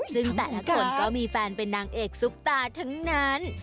ซึ่งแต่ละคนก็มีแฟนเป็นนางเอกซุปตาทั้งนั้น